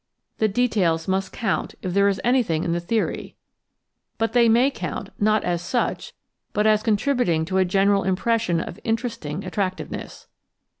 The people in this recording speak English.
The details must count, if there is anything in the theory, but they may count, not as such, but as contributing to a general impression of interesting attractive ness.